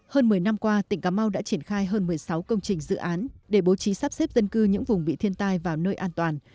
hơn một mươi năm qua tỉnh cà mau đã triển khai hơn một mươi sáu công trình dự án để bố trí sắp xếp dân cư những vùng bị thiên tai vào nơi an toàn